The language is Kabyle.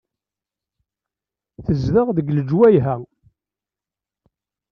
Tezdeɣ deg lejwayeh-a.